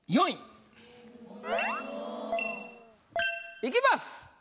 いきます